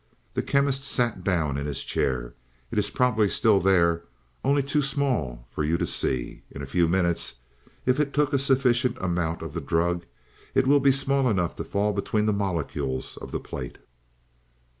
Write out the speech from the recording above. The Chemist sat down in his chair. "It's probably still there, only too small for you to see. In a few minutes, if it took a sufficient amount of the drug, it will be small enough to fall between the molecules of the plate."